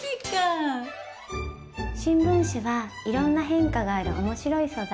新聞紙はいろんな変化がある面白い素材。